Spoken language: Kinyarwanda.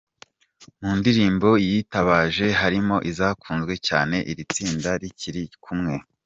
Mu ndirimbo yitabaje harimo izakunzwe cyane iri tsinda rikiri kumwe.